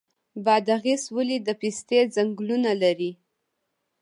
بادغیس ولې د پستې ځنګلونه لري؟